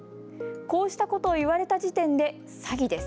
こうしたことを言われた時点で詐欺です。